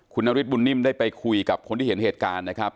คุณนฤทธบุญนิ่มได้ไปคุยกับคนที่เห็นเหตุการณ์นะครับ